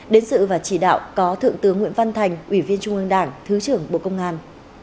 đến sự và chỉ đạo có thượng tướng nguyễn văn thành ủy viên trung ương đảng thứ trưởng bộ công an